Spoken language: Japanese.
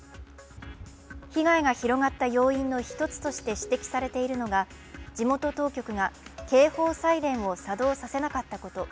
被害が広がった要因の１つとして指摘されているのが地元当局が警報サイレンを作動させなかったこと。